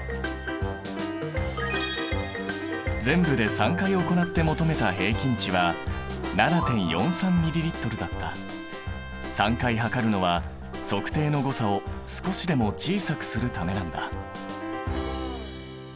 全部で３回行って求めた平均値は３回量るのは測定の誤差を少しでも小さくするためなんだ。